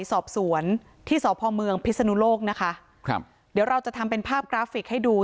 สอบสวนที่สพเมืองพิศนุโลกนะคะครับเดี๋ยวเราจะทำเป็นภาพกราฟิกให้ดู